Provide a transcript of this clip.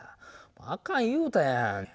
あかん言うたやん。